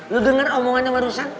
lu denger omongannya barusan